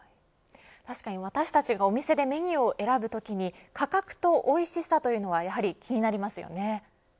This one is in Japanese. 確かに私たちがお店でメニューを選ぶときに価格とおいしさというのはやはり気になりますよね。